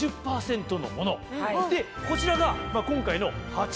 こちらが今回の。